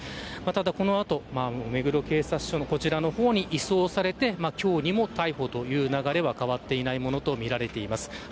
この後、目黒警察署に移送されて今日にも逮捕という流れは変わっていないものとみられます。